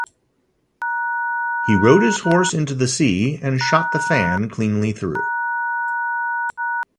He rode his horse into the sea and shot the fan cleanly through.